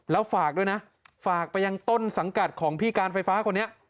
แล้วฝากด้วยนะฝากไปยังต้นสังกัดของพี่การไฟฟ้าคนนี้